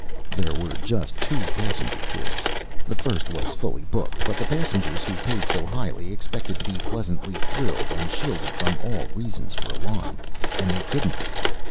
There were just two passenger tours. The first was fully booked. But the passengers who paid so highly, expected to be pleasantly thrilled and shielded from all reasons for alarm. And they couldn't be.